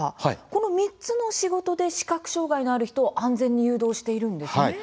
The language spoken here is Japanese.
この３つの仕事で視覚障害のある人を安全に誘導しているんですね。